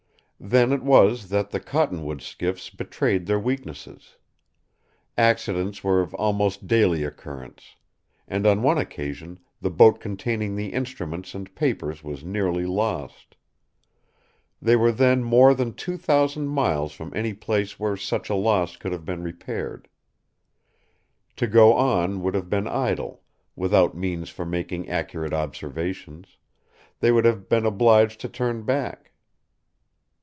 Then it was that the cottonwood skiffs betrayed their weaknesses. Accidents were of almost daily occurrence; and on one occasion the boat containing the instruments and papers was nearly lost. They were then more than two thousand miles from any place where such a loss could have been repaired. To go on would have been idle, without means for making accurate observations; they would have been obliged to turn back.